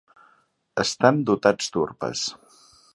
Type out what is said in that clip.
Estan dotats d'urpes.